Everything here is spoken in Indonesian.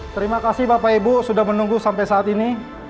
terima kasih bapak ibu sudah menunggu sampai saat ini